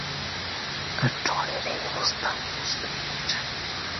আর জলের অবস্থা, বুঝতেই পারছেন?